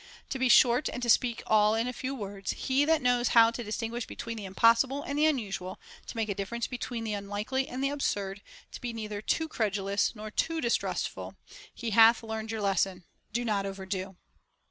To be short and to speak all in a few words, — he that knows how to distinguish between the impossible and the unusual, to make a difference between the unlikely and the absurd, to be neither too credulous nor too distrustful, — he hath learned your lesson, Do not overdo.